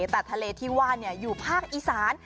แต่ทะเลที่ว่าอยู่ภาคอีสาน